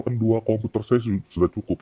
kan dua komputer saya sudah cukup